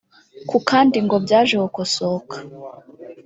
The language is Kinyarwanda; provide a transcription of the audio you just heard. ku kandi ngo byaje gukosoka